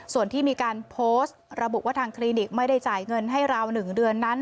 ส่วนที่มีการโพสต์ระบุว่าทางคลินิกไม่ได้จ่ายเงินให้ราว๑เดือนนั้น